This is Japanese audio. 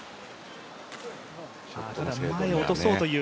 前を落とそうという。